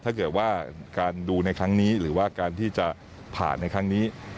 ถ้าเกิดว่าการดูในครั้งนี้หรือว่าการที่จะผ่านในครั้งนี้